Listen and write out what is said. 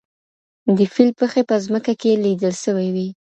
د فیل پښې په ځمکه کې لیدل سوي وې.